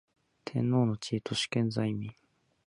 天皇の地位と主権在民